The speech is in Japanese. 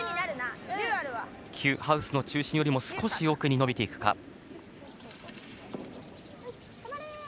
９、ハウスの中心より少し奥に伸びていくか。